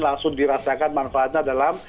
langsung dirasakan manfaatnya dalam